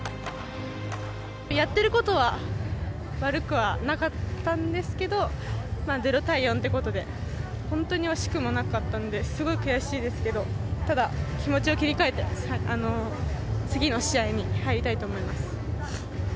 やっていることは悪くはなかったんですけど、まあ０対４ということで、本当に惜しくもなかったんで、すごく悔しいですけど、ただ、気持ちを切り替えて、次の試合に入りたいと思います。